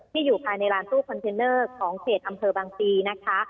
อยู่ภายในร้านตู้คอนเทนเนอร์ของเขตอำเภอบางปีนะคะ